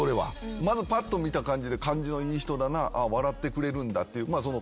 まずパッと見た感じで感じのいい人だな笑ってくれるんだっていう顔じゃない？